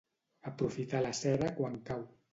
Aprofitar la cera quan cau.